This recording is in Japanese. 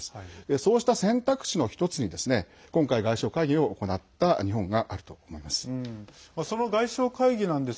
そういった選択肢の１つに今回、外相会議を行った日本があると思います。